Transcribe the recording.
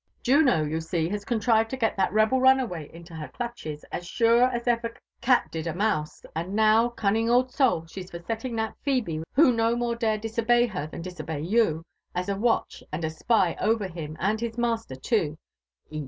Juno, you see, has contrived to get that rebel runaway into her clutches, as sure as ever cat did a mouse ; and now, cunning old soul ! she's for setting that Phebe, who no more dare disobey her than disobey you, as a watch and a spy over him and his master too.